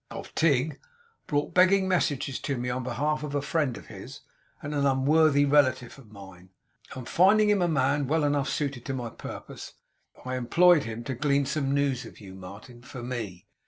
'Of Tigg; brought begging messages to me on behalf of a friend of his, and an unworthy relative of mine; and finding him a man well enough suited to my purpose, I employed him to glean some news of you, Martin, for me.